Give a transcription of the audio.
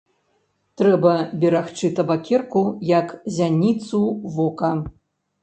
Трэба берагчы табакерку як зяніцу вока.